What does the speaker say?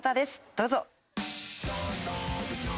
どうぞ。